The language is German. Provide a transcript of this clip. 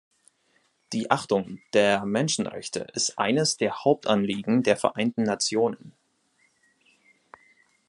Die Achtung der Menschenrechte ist eines der Hauptanliegen der Vereinten Nationen.